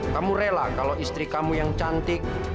kamu rela kalau istri kamu yang cantik